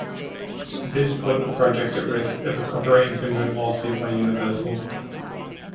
This put the project at risk of a copyright infringement lawsuit by Universal.